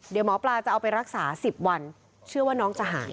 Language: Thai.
เดี๋ยวหมอปลาจะเอาไปรักษา๑๐วันเชื่อว่าน้องจะหาย